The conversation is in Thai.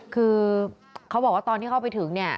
คือเขาบอกว่าตอนที่เข้าไปถึงเนี่ย